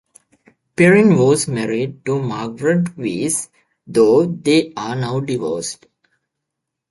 Perrin was married to Margaret Weis, though they are now divorced.